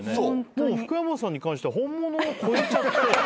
もう福山さんに関しては本物を超えちゃって。